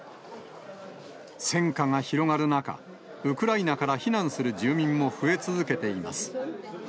戦火が広がる中、ウクライナから避難する住民も増え続けています。